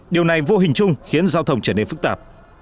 điều này vô hình chung khiến giao thông trở nên phức tạp